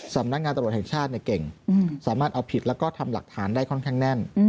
สำนักงานตำรวจแห่งชาติเก่งสามารถเอาผิดแล้วก็ทำหลักฐานได้ค่อนข้างแน่น